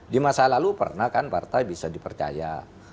di masa lalu pernah kan partai bisa dipercaya